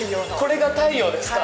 これが太陽ですか？